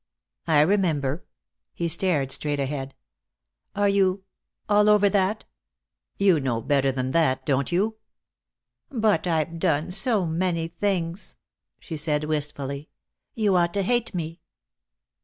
"I remember." He stared straight ahead. "Are you all over that?" "You know better than that, don't you?" "But I've done so many things," she said, wistfully. "You ought to hate me."